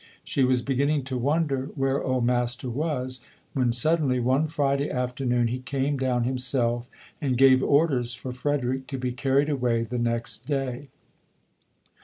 She was beginning to wonder where old Master was, when suddenly one Friday afternoon he came down himself and gave orders for Frederick to be car ried away the next day.